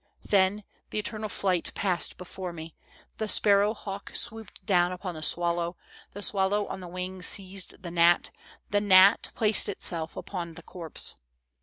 " Then, the eternal flight passed before me. The spar row hawk swooped down upon the swallow, the swallow on the wing seized the gnat, the gnat placed itself upon the corpse.